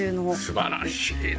素晴らしいね。